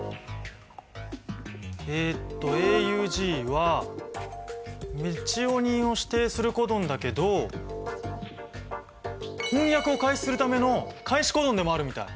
えっとＡＵＧはメチオニンを指定するコドンだけど翻訳を開始するための開始コドンでもあるみたい！